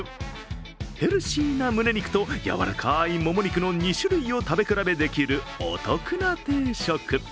ヘルシーなムネ肉と柔らかいモモ肉の２種類を食べ比べできるお得な定食。